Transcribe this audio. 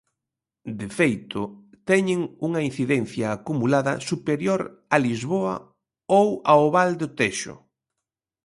De feito, teñen unha incidencia acumulada superior a Lisboa ou ao Val do Texo.